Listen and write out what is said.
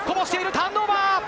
ターンオーバー。